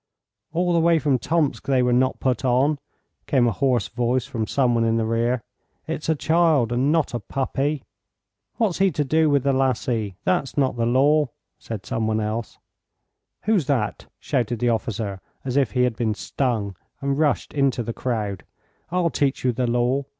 "All the way from Tomsk they were not put on," came a hoarse voice from some one in the rear. "It's a child, and not a puppy." "What's he to do with the lassie? That's not the law," said some one else. "Who's that?" shouted the officer as if he had been stung, and rushed into the crowd. "I'll teach you the law.